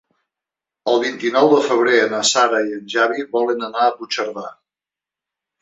El vint-i-nou de febrer na Sara i en Xavi volen anar a Puigcerdà.